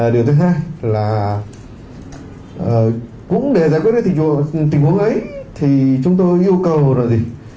điều thứ hai là cũng để giải quyết tình huống ấy thì chúng tôi yêu cầu là gì